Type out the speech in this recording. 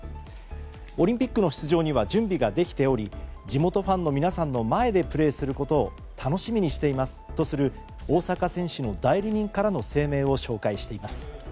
オリンピックの出場には準備ができており地元ファンの皆さんの前でプレーすることを楽しみにしていますとする大坂選手の代理人からの声明を紹介しています。